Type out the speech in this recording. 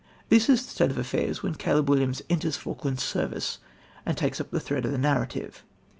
This is the state of affairs when Caleb Williams enters Falkland's service and takes up the thread of the narrative.